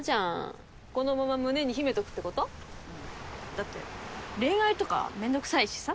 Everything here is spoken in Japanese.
だって恋愛とかめんどくさいしさ。